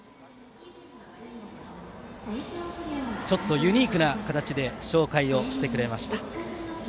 ちょっとユニークな形で紹介してくれました。